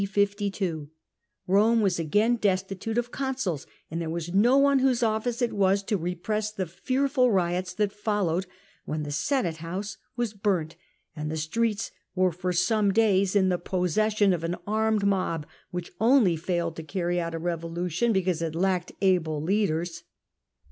52, Eome was again destitute of consuls; ahd there was no one whose office it was to repress the fearful riots that followed, when the Senate house was burnt, and the streets were for some days in the possession of an armed mob, which only failed to carry out a revolution because it lacked able leaders.